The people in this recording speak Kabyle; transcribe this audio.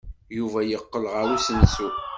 Yuba yeqqel ɣer usensu.